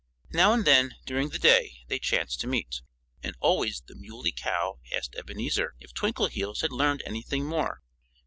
Now and then, during the day, they chanced to meet. And always the Muley Cow asked Ebenezer if Twinkleheels had learned anything more.